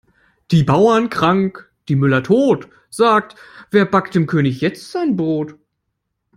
Die Bauern krank, die Müller tot, sagt wer backt dem König jetzt sein Brot?